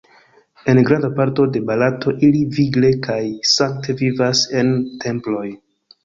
En granda parto de Barato ili vigle kaj sankte vivas en temploj.